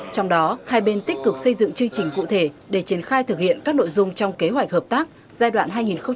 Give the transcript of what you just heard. trong đó hai bên tích cực xây dựng chương trình cụ thể để triển khai thực hiện các nội dung trong kế hoạch hợp tác giai đoạn hai nghìn hai mươi một hai nghìn hai mươi một